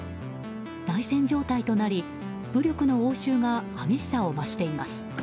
内戦状態となり武力の応酬が激しさを増しています。